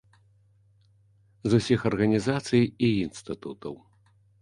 З усіх арганізацый і інстытутаў.